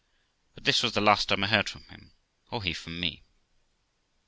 But this was the last time I heard from him, or he from me.